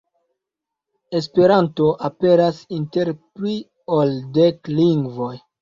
Esperanto aperas inter pli ol dek lingvoj.